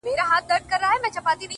خود دي خالـونه پــه واوښتــل _